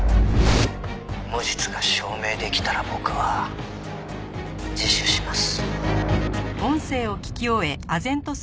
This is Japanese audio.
「無実が証明できたら僕は自首します」